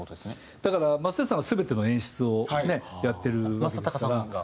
だから松任谷さんは全ての演出をねやってるわけですから。